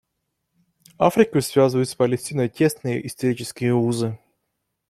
Африку связывают с Палестиной тесные исторические узы.